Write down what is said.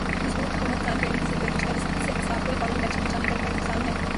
مضبوط حکومت قائم کرنے کی ضرورت ہے۔۔جو پہلے سختی سے احتساب کرے۔۔فورا الیکشن میں جانے کا بہت نقصان ہے۔۔